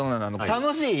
楽しい？